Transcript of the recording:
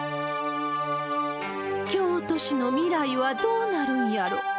京都市の未来はどうなるんやろ。